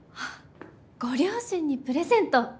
ご両親にプレゼント！